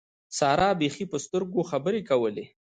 سارا بېخي په سترګو خبرې کولې.